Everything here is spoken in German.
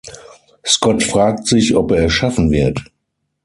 Scott fragt sich, ob er es schaffen wird.